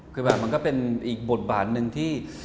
คือแบบมันก็เป็นอีกบทบาทหนึ่งที่